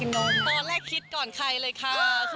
ตอนแรกคิดก่อนใครเลยค่ะ